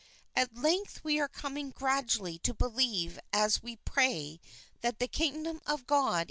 At length we are coming gradually to believe as we pray that the Kingdom of God